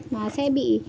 mà sẽ bị